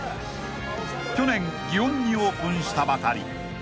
［去年祇園にオープンしたばかり］